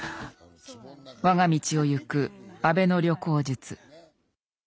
我が道を行く安部の旅行術。